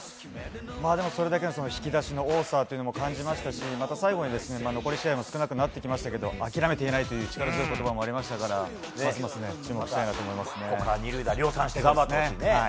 それだけの引き出しの多さというのも感じましたしまた最後に残り試合も少なくなってきましたけど諦めていないという力強い言葉もありましたから量産して頑張ってほしいね。